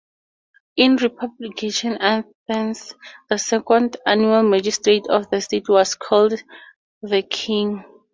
In republican Athens the second annual magistrate of the state was called the King.